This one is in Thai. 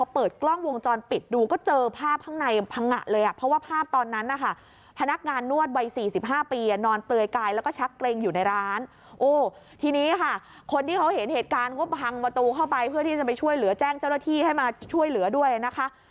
๔๕ปีนอนเปลยไกลแล้วก็ชักเกรงอยู่ในร้านทีนี้ค่ะคนที่เขาเห็นเหตุการณ์พังประตูเข้าไปเพื่อที่จะไปช่วยเหลือแจ้งเจ้าหน้าที่ให้มาช่วยเหลือด้วยนะคะ